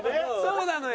そうなのよ。